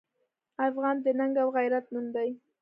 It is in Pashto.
افغان د ننګ او غیرت نوم دی.